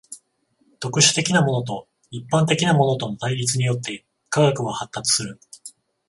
特殊的なものと一般的なものとの対立によって科学は発達する。